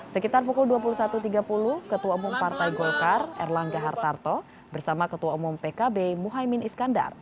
sekitar pukul dua puluh satu tiga puluh ketua umum partai golkar erlangga hartarto bersama ketua umum pkb muhaymin iskandar